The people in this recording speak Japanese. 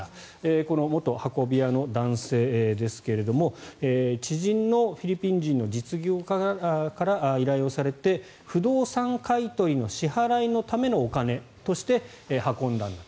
この元運び屋の男性ですが知人のフィリピン人の実業家から依頼をされて不動産買い取りの支払いのためのお金として運んだんだと。